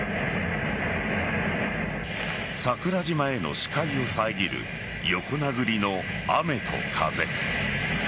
桜島への視界を遮る横殴りの雨と風。